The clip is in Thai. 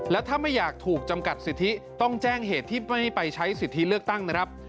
และถ้าไม่อยากถูกจำกัดสิทธิต้องแจ้งเหตุที่ไม่ไปใช้สิทธิเลือกตั้งนะครับ